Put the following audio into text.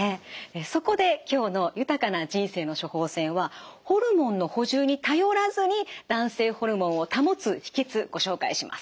そこで今日の「豊かな人生の処方せん」はホルモンの補充に頼らずに男性ホルモンを保つ秘けつご紹介します。